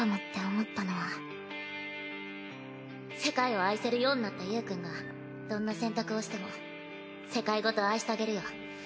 世界を愛せるようになったゆーくんがどんな選択をしても世界ごと愛したげるよ